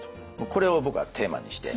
これを僕はテーマにして。